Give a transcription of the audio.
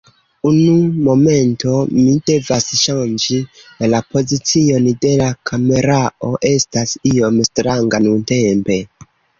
Unu momento, mi devas ŝanĝi la pozicion de la kamerao, estas iom stranga nuntempe.